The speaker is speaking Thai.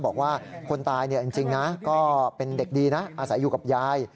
บอกว่าคนตายจริงนะก็เป็นเด็กดีนะอาศัยอยู่กับยาย